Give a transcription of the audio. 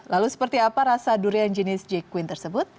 lalu seperti apa rasa durian jenis j queen tersebut